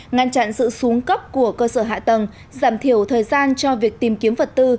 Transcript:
ngăn chặn sự xuống cấp của cơ sở hạ tầng giảm thiểu thời gian cho việc tìm kiếm vật tư